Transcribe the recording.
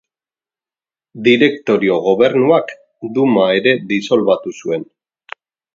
Direktorio-Gobernuak Duma ere disolbatu zuen.